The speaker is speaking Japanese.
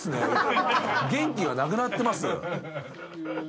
元気がなくなってます。